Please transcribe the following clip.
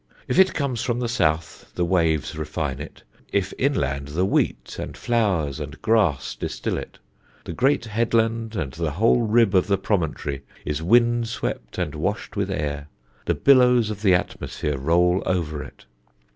If it comes from the south, the waves refine it; if inland, the wheat and flowers and grass distil it. The great headland and the whole rib of the promontory is wind swept and washed with air; the billows of the atmosphere roll over it.